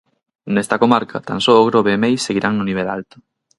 Nesta comarca tan só O Grove e Meis seguirán no nivel alto.